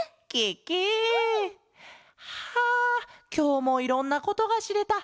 ケケ！はあきょうもいろんなことがしれた。